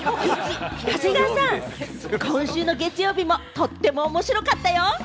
長谷川さん、今週の月曜日もとっても面白かったよ！